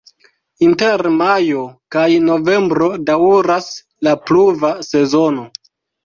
Inter majo kaj novembro daŭras la pluva sezono.